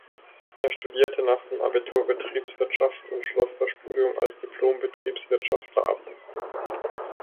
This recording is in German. Er studierte nach dem Abitur Betriebswirtschaft und schloss das Studium als Diplom-Betriebswirtschaftler ab.